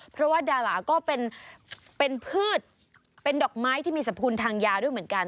เพราะว่าดาราก็เป็นพืชเป็นดอกไม้ที่มีสรรพคุณทางยาด้วยเหมือนกัน